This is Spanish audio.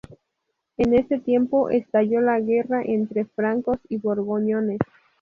En ese tiempo, estalló la guerra entre francos y borgoñones.